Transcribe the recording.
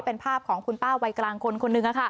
เป็นภาพของคุณป้าวัยกลางคนคนหนึ่ง